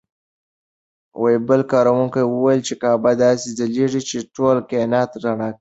بل کاروونکي وویل چې کعبه داسې ځلېږي چې ټول کاینات رڼا اخلي.